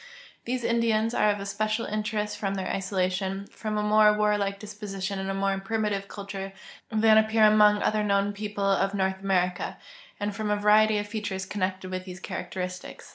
These Indians are of especial interest from tlieir isolation, from a more warlike disposition and a more primi tive culture than api)car among otlier known people of North America, and from a variety of features connected with these characteristics.